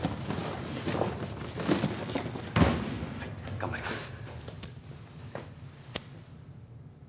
はい頑張ります。